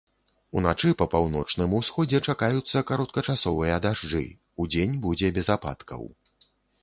Уначы па паўночным усходзе чакаюцца кароткачасовыя дажджы, удзень будзе без ападкаў.